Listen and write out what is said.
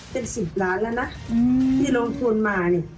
เป็น๑๐ล้านบาทแล้วนะที่ลงทุนมา